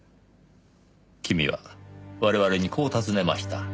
君は我々にこう尋ねました。